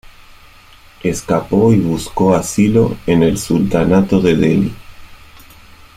Escapó y buscó asilo en el Sultanato de Delhi.